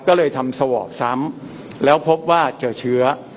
ก็เลยทำสวอปซ้ำแล้วพบว่าเจอเชื้อ